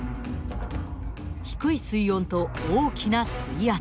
低い水温と大きな水圧。